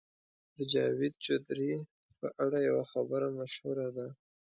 د جاوید چودهري په اړه یوه خبره مشهوره ده.